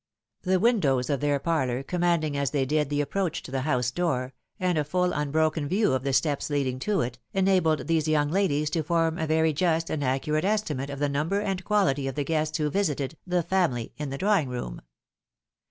The windows of their parlour, commanding as they did the approach to the house door, and a full unbroken view of the steps leading to it, enabled these young ladies to form a very just and accurate estimate of the number and quahty of the guests who visited " the family in the drawing room."